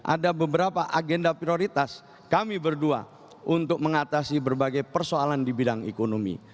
ada beberapa agenda prioritas kami berdua untuk mengatasi berbagai persoalan di bidang ekonomi